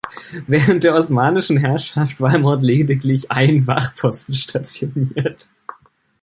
Während der Osmanischen Herrschaft war im Ort lediglich ein Wachposten stationiert.